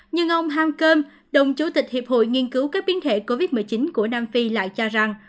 nhưng ông hang cơm đồng chủ tịch hiệp hội nghiên cứu các biến thể covid một mươi chín của nam phi lại cho rằng